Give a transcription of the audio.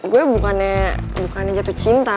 gue bukannya jatuh cinta